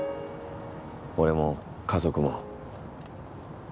俺も家族も。